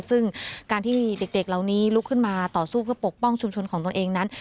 ซึ่งการที่เด็กเหล่านี้ลุกขึ้นมาต่อสู้เพื่อปกป้องชุมชนของตนเองนั้น